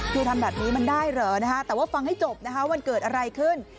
ที่ทำแบบนี้มันได้เหรอแต่ว่าฟังให้จบวันเกิดอะไรขึ้น